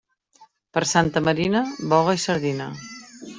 Per Santa Marina, boga i sardina.